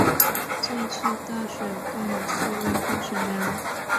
这次大选共有四位候选人。